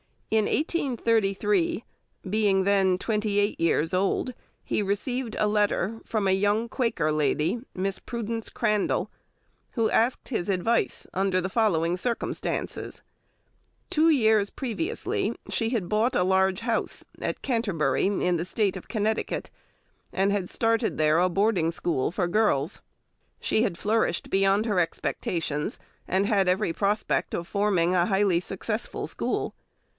In 1833, being then twenty eight years old, he received a letter from a young Quaker lady, Miss Prudence Crandall, who asked his advice under the following circumstances: Two years previously she had bought a large house at Canterbury, in the State of Connecticut, and had started there a boarding school for girls. She had flourished beyond her expectations, and had every prospect of forming a highly successful school.